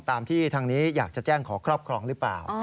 ตามที่ทางนี้อยากจะแจ้งขอครอบครองหรือเปล่า